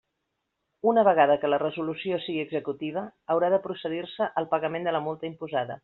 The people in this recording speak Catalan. Una vegada que la resolució siga executiva, haurà de procedir-se al pagament de la multa imposada.